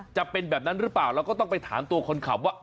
จะเป็นแบบนั้นหรือเปล่าเราก็ต้องไปถามตัวคนขับว่า